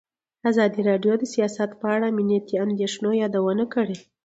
ازادي راډیو د سیاست په اړه د امنیتي اندېښنو یادونه کړې.